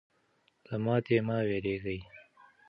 له ماتې مه ویرېږئ.